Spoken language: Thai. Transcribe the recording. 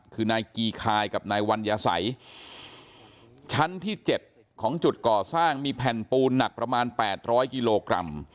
คือนายกีคายกับนายวัญญาสัยชั้นที่๗ของจุดก่อสร้างมีแผ่นปูนหนักประมาณ๘๐๐กิโลกรัม